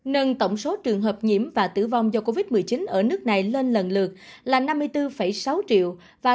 nâng tổng số trường hợp nhiễm và tử vong do covid một mươi chín ở nước này lên lần lượt là năm mươi bốn sáu triệu và